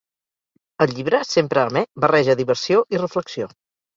El llibre, sempre amè, barreja diversió i reflexió.